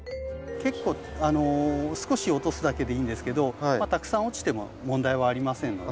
少し落とすだけでいいんですけどまあたくさん落ちても問題はありませんので。